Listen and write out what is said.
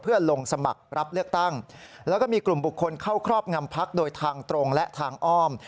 เพื่อลงสมัครรับเลือกตั้งแล้วก็มีกลุ่มบุคคลเข้าครอบงำพักโดยทางตรงและทางอ้อม